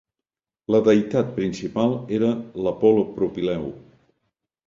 La deïtat principal era l'Apol·lo Propileu.